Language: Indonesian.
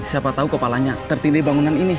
siapa tahu kepalanya terpilih bangunan ini